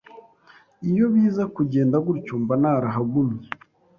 iyo biza kugenda gutyo mba narahagumye